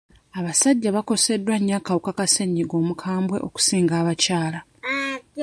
Abasajja bakoseddwa nnyo akawuka ka ssennyiga omukambwe okusinga abakyala.